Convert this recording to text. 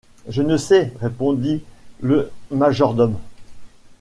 Je ne sais, répondit le majordome.